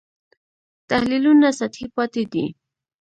تحلیلونه سطحي پاتې دي.